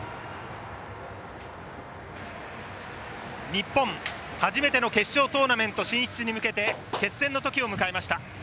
日本初めての決勝トーナメント進出に向けて決戦の時を迎えました。